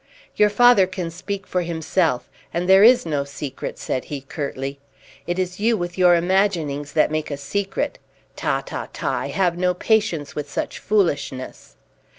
"Your father can speak for himself, and there is no secret," said he, curtly. "It is you with your imaginings that make a secret. Ta, ta, ta! I have no patience with such foolishness."